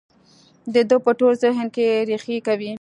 د ده په ټول ذهن کې رېښې کوي.